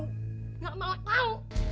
nggak mau tahu